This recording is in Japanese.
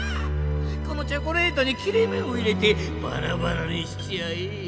このチョコレートに切れ目を入れてバラバラにしちゃえ！